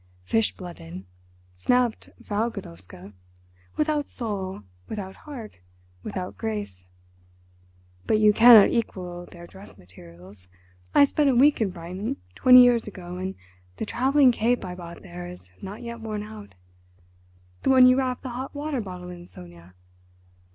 "Fish blooded," snapped Frau Godowska. "Without soul, without heart, without grace. But you cannot equal their dress materials. I spent a week in Brighton twenty years ago, and the travelling cape I bought there is not yet worn out—the one you wrap the hot water bottle in, Sonia.